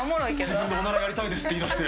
自分でオナラやりたいですって言い出して。